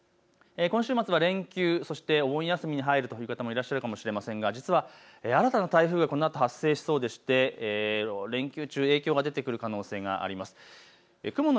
今週末は連休、そしてお盆休みに入るという方もいらっしゃるかもしれませんが新たな台風がこのあと発生しそうで連休中、影響が出てくる可能性があります。